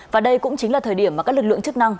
và đây cũng chính là thời điểm mà các lực lượng chức năng